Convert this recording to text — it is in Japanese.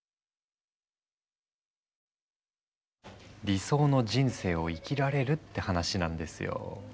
理想の人生を生きられるって話なんですよ。